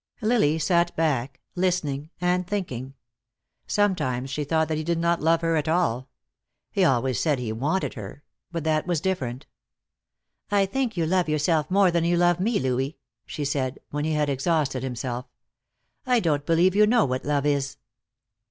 Lily sat back, listening and thinking. Sometimes she thought that he did not love her at all. He always said he wanted her, but that was different. "I think you love yourself more than you love me, Louis," she said, when he had exhausted himself. "I don't believe you know what love is."